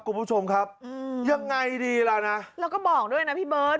คุณผู้ชมครับอืมยังไงดีล่ะนะแล้วก็บอกด้วยนะพี่เบิร์ต